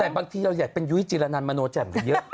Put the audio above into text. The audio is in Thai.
แต่บางทีเราอยากเป็นยุทธิ์จีรนันต์มาโน้ทแจ่งกันเยอะ